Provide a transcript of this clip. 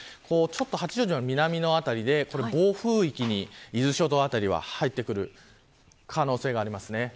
八丈島の南の辺りで、暴風域に伊豆諸島辺りは入ってくる可能性があります。